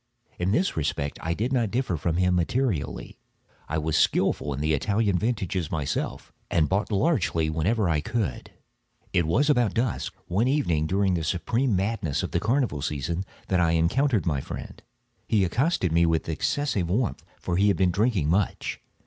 In this respect I did not differ from him materially: I was skilful in the Italian vintages myself, and bought largely whenever I could. It was about dusk, one evening during the supreme madness of the carnival season, that I encountered my friend. He accosted me with excessive warmth, for he had been drinking much.